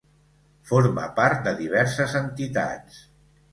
Forma part de diverses entitats.